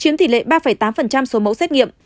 chiếm thỷ lệ ba tám số mẫu xét nghiệm